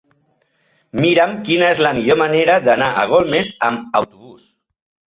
Mira'm quina és la millor manera d'anar a Golmés amb autobús.